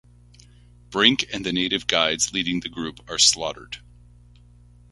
Brink and the native guides leading the group are slaughtered.